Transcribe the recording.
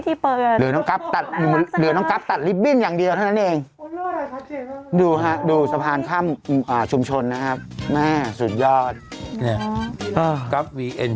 นี่ครับตั้งความพิธีเปิดกันนะครับ